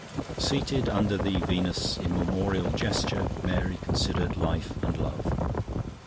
Seated under the Venus's immemorial gesture, Mary considered life and love.